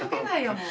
もう。